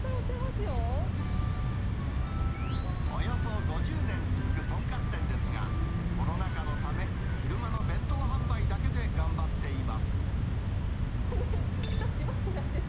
およそ５０年続く豚カツ店ですが、コロナ禍のため、昼間の弁当販売だけで頑張っています。